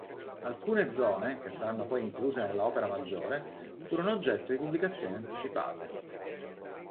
Alcune zone, che saranno poi incluse nella opera maggiore, furono oggetto di pubblicazioni anticipate.